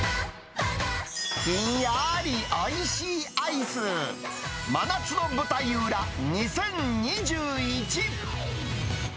ひんやーりおいしいアイス、真夏の舞台裏２０２１。